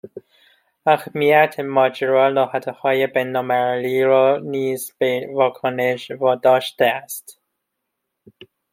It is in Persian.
اهمّیت ماجرا نهادهای بینالمللی را نیز به واکنش واداشته است